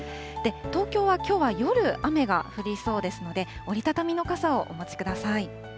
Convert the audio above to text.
東京はきょうは夜、雨が降りそうですので、折り畳みの傘をお持ちください。